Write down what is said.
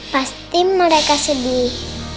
pasti mereka sedih